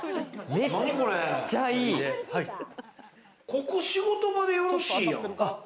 ここ仕事場でよろしいやん。